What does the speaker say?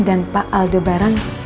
dan pak aldebaran